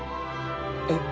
えっ？